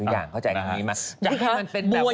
อยากให้มันเป็นแบบว่า